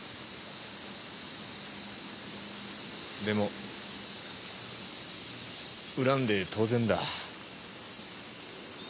でも恨んで当然だ。